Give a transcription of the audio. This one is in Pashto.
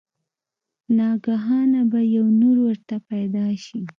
ناګهانه به يو نُور ورته پېدا شي